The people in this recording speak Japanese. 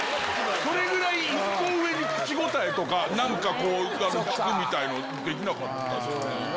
それぐらい、１個上に口ごたえとか、なんかこう聞くみたいなことってできなかったですね。